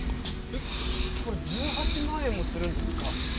えっこれ１８万円もするんですか？